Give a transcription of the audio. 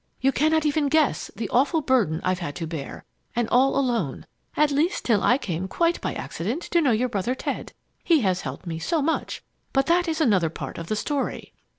You cannot even guess the awful burden I've had to bear and all alone, at least till I came quite by accident to know your brother Ted. He has helped me so much but that is another part of the story!